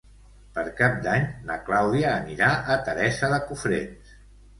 Per Cap d'Any na Clàudia anirà a Teresa de Cofrents.